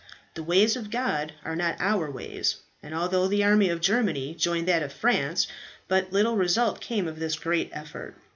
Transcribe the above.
The ways of God are not our ways, and although the army of Germany joined that of France, but little results came of this great effort.